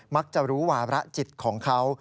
มักจะรู้วาระจิตของเขา